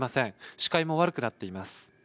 視界も悪くなっています。